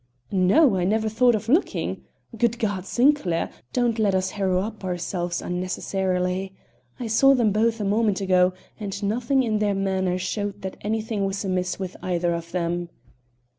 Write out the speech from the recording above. "No, I never thought of looking. Good God! Sinclair, don't let us harrow up ourselves unnecessarily! I saw them both a moment ago, and nothing in their manner showed that anything was amiss with either of them."